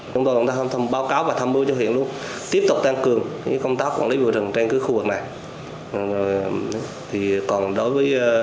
chúng tôi đã tham gia báo cáo và tham bố cho huyện luôn tiếp tục tăng cường công tác quản lý bảo vệ rừng trên khu vực này